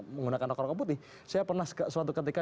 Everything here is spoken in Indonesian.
menggunakan rokok rokok putih saya pernah suatu ketika